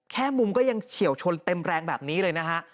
มุมก็ยังเฉียวชนเต็มแรงแบบนี้เลยนะฮะ